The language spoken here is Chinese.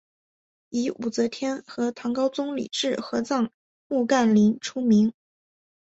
以武则天和唐高宗李治合葬墓干陵出名。